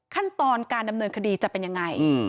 ขั้นตอนการดำเนินคดีจะเป็นยังไง